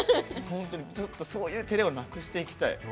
ちょっと、そういうテレをなくしていきたい。